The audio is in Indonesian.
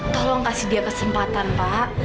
tolong kasih dia kesempatan pak